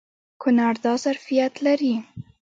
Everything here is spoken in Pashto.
کونړ دا ظرفیت لري.